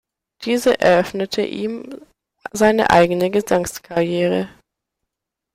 Diese eröffnete ihm seine eigene Gesangskarriere.